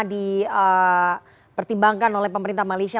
dipertimbangkan oleh pemerintah malaysia